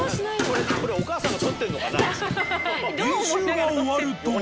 これお母さんが撮ってんのかな。